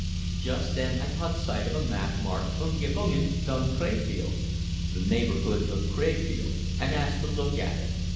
Just then I caught sight of a map marked "Umgebungen von Krefeld" (The Neighborhood of Crefeld), and asked to look at it.